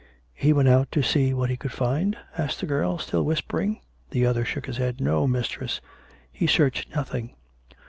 " He went out to s'ee what he could find ?" asked the girl, still whispering. The other shook his head. " No, mistress ; he searched nothing.